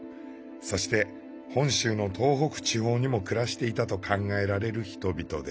そして本州の東北地方にも暮らしていたと考えられる人々です。